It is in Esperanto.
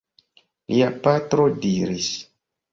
Lia patro diris.